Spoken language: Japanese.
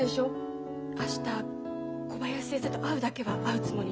明日小林先生と会うだけは会うつもりよ。